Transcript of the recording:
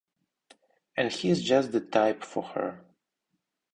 And he's just the type for her.